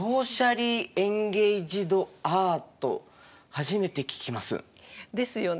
初めて聞きます。ですよね。